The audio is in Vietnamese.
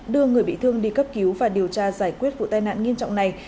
đưa người bị thương đi cấp cứu và điều tra giải quyết vụ tai nạn nghiêm trọng này